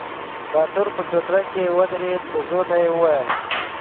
باتور په چوتره کې ودرېد، په زوټه يې وويل: